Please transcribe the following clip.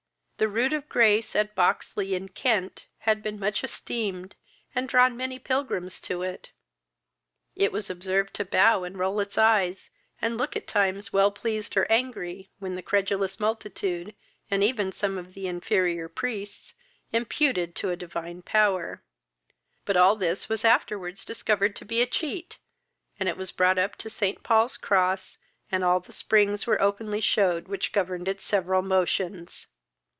The rood of grace, at Boxley, in Kent, had been much esteemed, and drawn many pilgrims to it. It was observed to bow and roll its eyes, and look at times well pleased or angry, which the credulous multitude, and even some of the inferior priests, imputed to a divine power; but all this was afterwards discovered to be a cheat, and it was brought up to St. Paul's cross, and all the springs were openly shewed which governed its several motions.